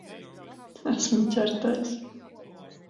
Esmu ķertais.